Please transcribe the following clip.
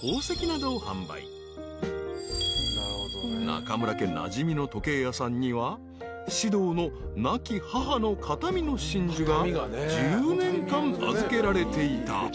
［中村家なじみの時計屋さんには獅童の亡き母の形見の真珠が１０年間預けられていた］